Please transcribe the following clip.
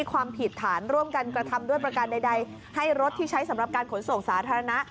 ความผิดฐานร่วมกันกระทำด้วยประการใดให้รถที่ใช้สำหรับการขนส่งสาธารณะ